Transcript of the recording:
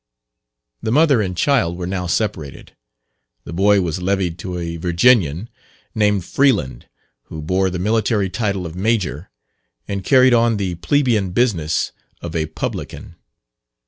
The mother and child were now separated. The boy was levied to a Virginian named Freeland, who bore the military title of Major, and carried on the plebeian business of a publican.